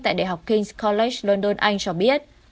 tại đại học king s college london anh cho biết